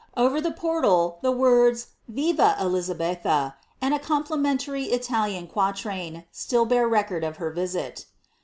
Over the por itL the words Viva EluutSethoj and a complimentary Italian quatrain, itill bear record of her visit.